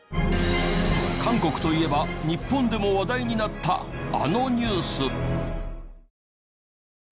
韓国といえば日本でも話題になったあのニュース。